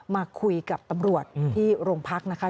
มาคุยกับตำรวจที่โรงพักนะคะ